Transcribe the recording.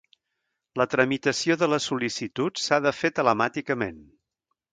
La tramitació de les sol·licituds s'ha de fer telemàticament.